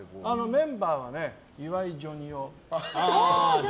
メンバーは岩井ジョニ男。